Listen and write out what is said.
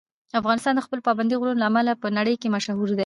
افغانستان د خپلو پابندي غرونو له امله په نړۍ کې مشهور دی.